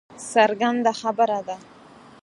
څرګنده خبره ده